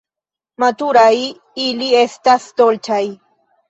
Maturaj ili estas dolĉaj.